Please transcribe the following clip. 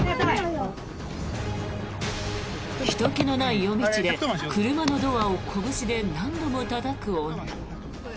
ひとけのない夜道で車のドアをこぶしで何度もたたく女。